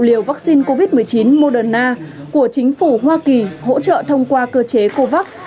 liều vaccine covid một mươi chín moderna của chính phủ hoa kỳ hỗ trợ thông qua cơ chế covax